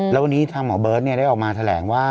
แล้ววันนี้ทางหมอเบิร์ตได้ออกมาแถลงว่า